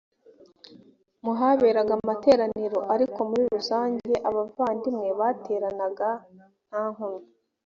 mu haberaga amateraniro ariko muri rusange abavandimwe bateranaga nta nkomyi